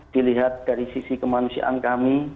dilihat dari sisi kemanusiaan kami